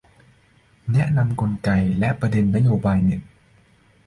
แนะนำกลไกและประเด็นนโยบายเน็ต